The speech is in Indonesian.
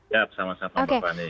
ya selamat sore mbak fani